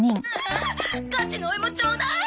ガチのお芋ちょうだい！